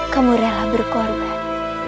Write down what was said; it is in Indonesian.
kamu rela berkorban